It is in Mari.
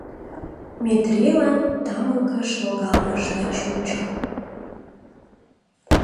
Метрийлан тамыкыш логалмыжла чучо.